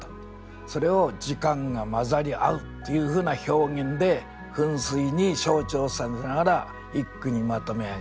それを「時間が混ざり合ふ」っていうふうな表現で「噴水」に象徴させながら一句にまとめ上げる。